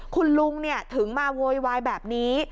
คุณลุงเนี้ยถึงมาเวินแบบนี้